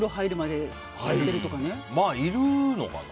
いるのかな。